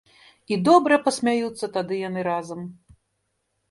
І добра пасмяюцца тады яны разам.